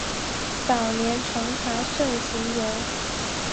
早年从查慎行游。